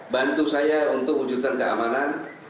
bantu saya untuk wujudkan keamanan